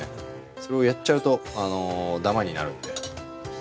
それをやっちゃうとダマになるんで。